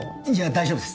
大丈夫です